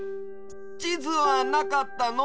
ちずはなかったの？